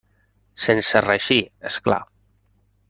Sense reeixir, és clar.